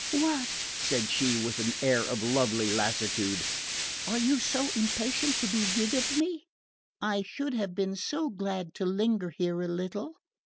"What!" said she with an air of lovely lassitude, "are you so impatient to be rid of me? I should have been so glad to linger here a little."